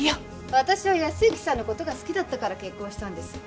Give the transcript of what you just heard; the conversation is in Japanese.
私は靖之さんの事が好きだったから結婚したんです。